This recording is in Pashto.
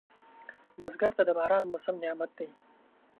بزګر ته د باران موسم نعمت دی